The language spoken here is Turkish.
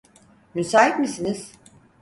Müsait misiniz?